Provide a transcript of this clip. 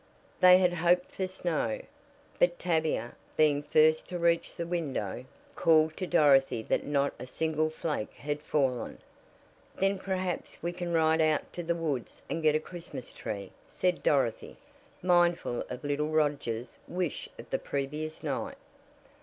They had hoped for snow, but Tavia, being first to reach the window, called to Dorothy that not a single flake had fallen. "Then perhaps we can ride out to the woods and get a Christmas tree," said Dorothy, mindful of little Roger's wish of the previous night.